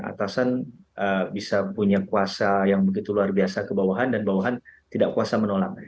atasan bisa punya kuasa yang begitu luar biasa ke bawahan dan bawahan tidak kuasa menolak